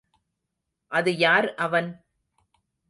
அது யார் அவன்?